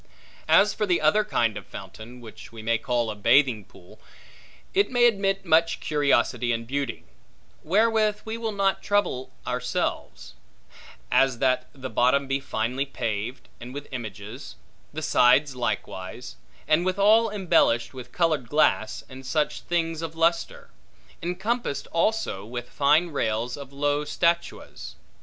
As for the other kind of fountain, which we may call a bathing pool, it may admit much curiosity and beauty; wherewith we will not trouble ourselves: as, that the bottom be finely paved, and with images; the sides likewise; and withal embellished with colored glass, and such things of lustre; encompassed also with fine rails of low statuas.